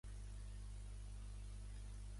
Dijous na Berta i na Nàdia aniran a Alfondeguilla.